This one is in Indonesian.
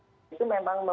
itu memang memungkinkan